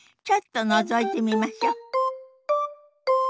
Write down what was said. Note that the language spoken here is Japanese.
ちょっとのぞいてみましょ。